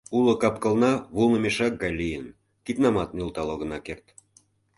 Уло кап-кылна вулно мешак гай лийын, киднамат нӧлтал огына керт.